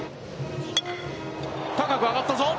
高く上がったぞ。